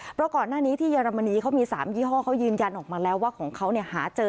เพราะก่อนหน้านี้ที่เยอรมนีเขามี๓ยี่ห้อเขายืนยันออกมาแล้วว่าของเขาหาเจอ